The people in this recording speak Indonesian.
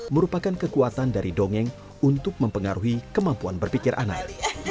merupakan kekuatan dari dongeng untuk mempengaruhi kemampuan berpikir anak